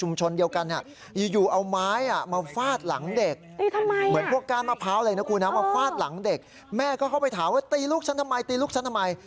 มาฟาดหลังเด็กเหมือนพวกก้านมะพร้าวเลยนะครับครับมาฟาดหลังเด็กแม่ก็เข้าไปถามว่าตีลูกฉันทำไมตีลูกฉันทำไม